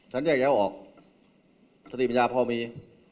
ฉันแยกแย้วออกสติปัญญาพ่อมี